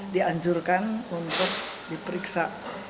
dianjurkan untuk diperiksa